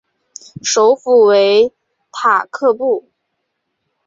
首府为塔布克。